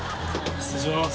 失礼します。